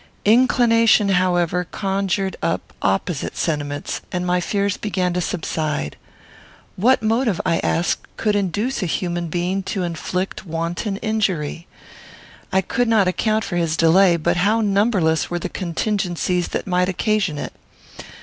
Inclination, however, conjured up opposite sentiments, and my fears began to subside. What motive, I asked, could induce a human being to inflict wanton injury? I could not account for his delay; but how numberless were the contingencies that might occasion it!